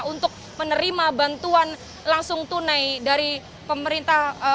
untuk menerima bantuan langsung tunai dari pemerintah pusat senilai rp dua empat juta